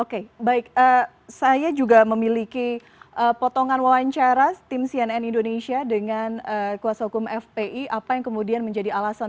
oke baik saya juga memiliki potongan wawancara tim cnn indonesia dengan kuasa hukum fpi apa yang kemudian menjadi alasan